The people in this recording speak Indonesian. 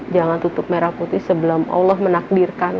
jangan tutup merah putih sebelum allah menakdirkan